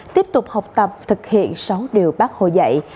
tiếp tục học tập thực hiện sáu điều bác hồ dạy